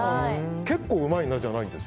結構うまいなじゃないんです。